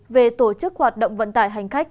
về tổ chức hoạt động vận tải hành khách